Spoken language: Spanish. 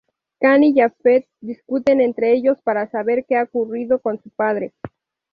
Cam y Jafet discuten entre ellos para saber que ha ocurrido con su padre.